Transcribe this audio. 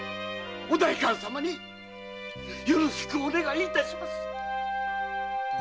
お代官様によろしくお願い致します！